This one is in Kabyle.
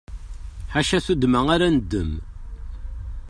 Ḥaca tuddma ara neddem.